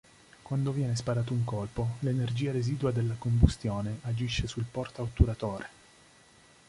Quando viene sparato un colpo, l'energia residua della combustione agisce sul porta-otturatore.